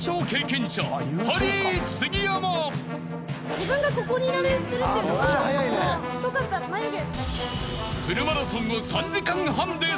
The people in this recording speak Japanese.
自分がここにいられてるっていうのは太かった眉毛。